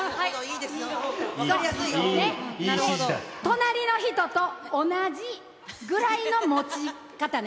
隣の人と同じぐらいの持ち方ね。